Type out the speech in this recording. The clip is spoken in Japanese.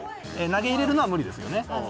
投げ入れるのは無理ですよね。